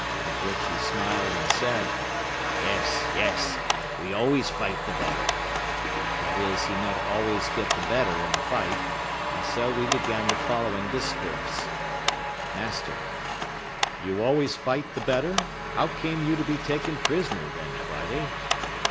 At which he smiled, and said—"Yes, yes, we always fight the better;" that is, he meant always get the better in fight; and so we began the following discourse:— Master.—You always fight the better; how came you to be taken prisoner, then, Friday?